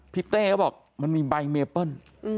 พี่เต้ก็บอกมันมีใบโม๊ย